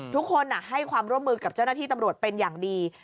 ทุกคนให้ความร่วมมือกับเจ้าหน้าที่ตำรวจเป็นอย่างดี